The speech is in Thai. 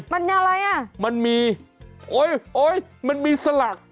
มันอะไรอ่ะมันมีโอ๊ยโอ๊ยมันมีสลัก